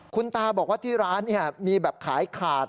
คุณตาบอกว่าที่ร้านมีแบบขายขาด